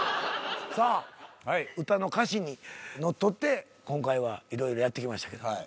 さあ歌の歌詞にのっとって今回は色々やってきましたけど。